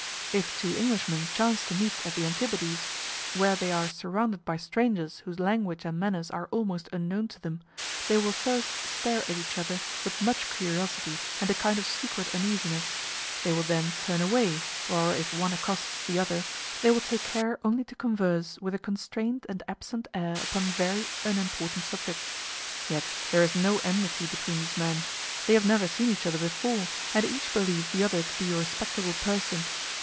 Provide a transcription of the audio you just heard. If two Englishmen chance to meet at the Antipodes, where they are surrounded by strangers whose language and manners are almost unknown to them, they will first stare at each other with much curiosity and a kind of secret uneasiness; they will then turn away, or, if one accosts the other, they will take care only to converse with a constrained and absent air upon very unimportant subjects. Yet there is no enmity between these men; they have never seen each other before, and each believes the other to be a respectable person.